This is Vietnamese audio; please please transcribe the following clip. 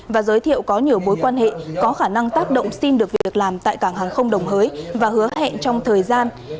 và giới thiệu có nhiều mối quan hệ có khả năng tác động xin được việc làm tại cảng hàng không đồng hới và hứa hẹn trong thời gian